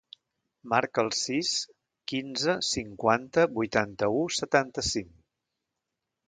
Marca el sis, quinze, cinquanta, vuitanta-u, setanta-cinc.